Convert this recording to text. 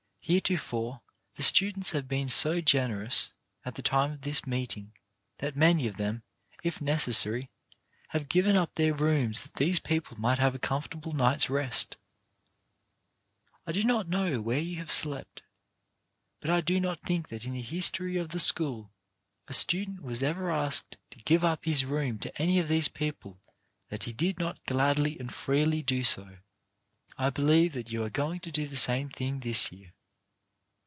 Here tofore the students have been so generous, at the time of this meeting, that many of them, if neces sary, have given up their rooms that these people might have a comfortable night's rest. I do not know where you have slept, but I do not think that in the history of the school a student was ever YOUR PART IN THE CONFERENCE 161 asked to give up his room to any of these people that he did not gladly and freely do so. I believe that you are going to do the same thing this year.